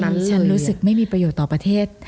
ที่ฉันรู้สึกไม่มีประโยชน์ต่อประเทศ